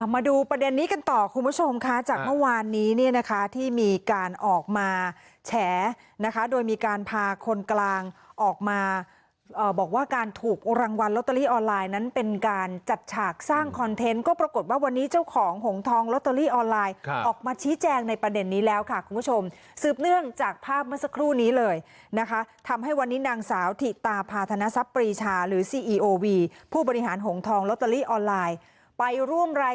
มาดูประเด็นนี้กันต่อคุณผู้ชมค่ะจากเมื่อวานนี้เนี่ยนะคะที่มีการออกมาแชร์นะคะโดยมีการพาคนกลางออกมาเอ่อบอกว่าการถูกรางวัลลอตเตอรี่ออนไลน์นั้นเป็นการจัดฉากสร้างคอนเทนต์ก็ปรากฎว่าวันนี้เจ้าของหงษ์ทองลอตเตอรี่ออนไลน์ค่ะออกมาชี้แจงในประเด็นนี้แล้วค่ะคุณผู้ชมสืบเนื่องจากภาพเมื่อสักครู่นี้เลย